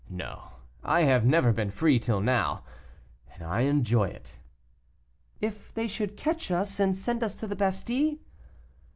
No, I have never been free till now, and I enjoy it." "If they should catch us, and send us to the Bastile?"